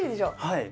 はい。